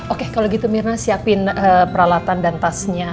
oke kalau gitu mirna siapin peralatan dan tasnya